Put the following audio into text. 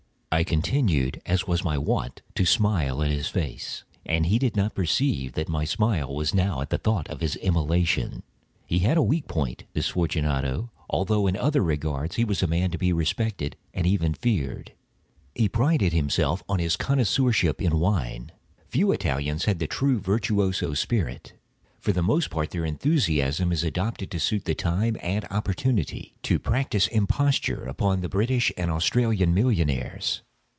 I continued, as was my wont, to smile in his face, and he did not perceive that my smile now was at the thought of his immolation. He had a weak point—this Fortunato—although in other regards he was a man to be respected and even feared. He prided himself on his connoisseurship in wine. Few Italians have the true virtuoso spirit. For the most part their enthusiasm is adopted to suit the time and opportunity—to practise imposture upon the British and Austrian millionaires.